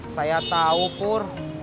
saya tau pur